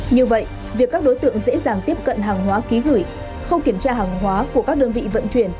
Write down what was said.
như vậy việc các đối tượng dễ dàng tiếp cận hàng hóa ký gửi không kiểm tra hàng hóa của các đơn vị vận chuyển